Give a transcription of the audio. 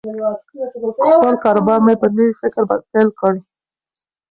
خپل کاروبار مې په نوي فکر پیل کړ.